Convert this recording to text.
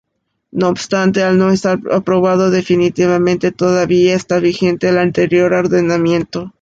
No obstante, al no estar aprobado definitivamente, todavía está vigente el anterior ordenamiento.